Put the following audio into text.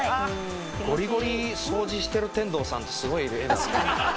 ゴリゴリ掃除してる天童さんってすごい画だね。